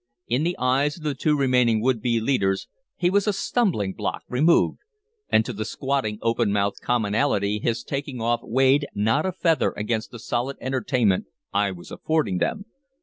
In the eyes of the two remaining would be leaders he was a stumbling block removed, and to the squatting, open mouthed commonality his taking off weighed not a feather against the solid entertainment I was affording them.